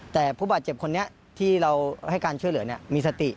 แต่ผู้บาดเจ็บคนนี้ที่เราให้การช่วยเหลือมีสติ